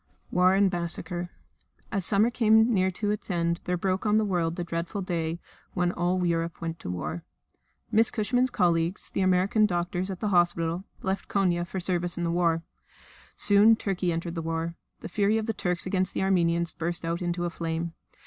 War and Massacre As summer came near to its end there broke on the world the dreadful day when all Europe went to war. Miss Cushman's colleagues, the American doctors at the hospital, left Konia for service in the war. Soon Turkey entered the war. The fury of the Turks against the Armenians burst out into a flame.